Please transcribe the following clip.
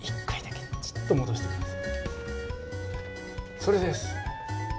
それです！